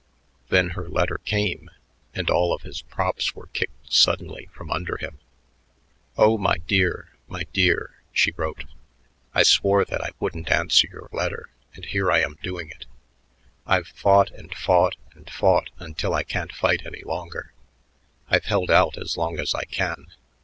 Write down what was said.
Then her letter came, and all of his props were kicked suddenly from under him. Oh my dear, my dear [she wrote], I swore that I wouldn't answer your letter and here I am doing it. I've fought and fought, and fought until I can't fight any longer; I've held out as long as I can.